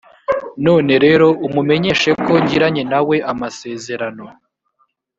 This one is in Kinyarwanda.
none rero umumenyeshe ko ngiranye na we amasezerano.